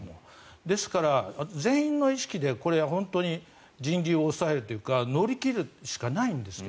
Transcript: ですから、全員の意識で人流を抑えるというか乗り切るしかないんですよ。